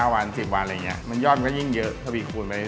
๙วัน๑๐วันมันยอดมันก็ยิ่งเยอะถบีคูณไปเลย